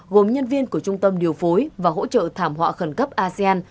gồm nhân viên của trung tâm điều phối và hỗ trợ thảm họa khẩn cấp asean